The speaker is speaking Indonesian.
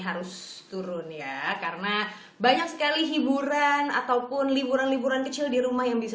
harus turun ya karena banyak sekali hiburan ataupun liburan liburan kecil di rumah yang bisa